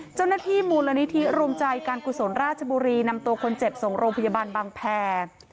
เจ้าหน้าที่มูลนิธิรวมใจการกุศลราชบุรีนำตัวคนเจ็บส่งโรงพยาบาลบางแพร่